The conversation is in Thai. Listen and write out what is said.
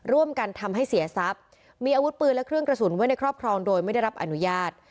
ร่วมกันทำให้เสียทรัพย์มีอาวุธปืนและเครื่องกระสุนไว้ในครอบครองโดยไม่ได้รับอนุญาต